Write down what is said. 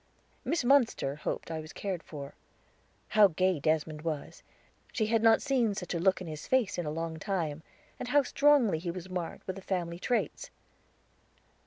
'" Miss Munster hoped I was cared for. How gay Desmond was! she had not seen such a look in his face in a long time. And how strongly he was marked with the family traits.